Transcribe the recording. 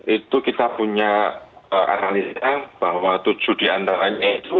itu kita punya analisa bahwa tujuh di antaranya itu